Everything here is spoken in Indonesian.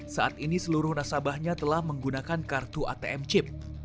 saat ini seluruh nasabahnya telah menggunakan kartu atm chip